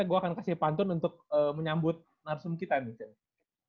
kita akan kasih pantun untuk menyambut narsum kita nih cenz